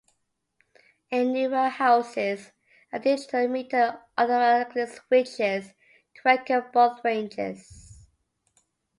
In newer houses, a digital meter automatically switches to record both ranges.